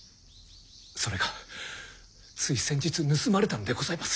それがつい先日盗まれたのでございます。